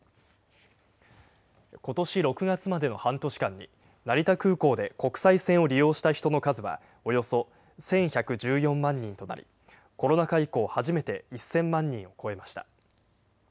ことし６月までの半年間に、成田空港で国際線を利用した人の数はおよそ１１１４万人となり、コロナ禍以降、初めて１０００万人を超えました。